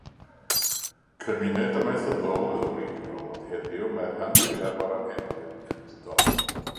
Cymuned amaethyddol oedd yn wreiddiol ond heddiw mae'r rhan fwyaf o'r anheddwyr yn cymudo.